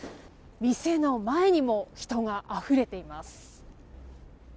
店の前にも人があふれています。